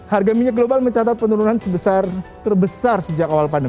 harga minyak global mencatat penurunan sebesar terbesar sejak awal pandemi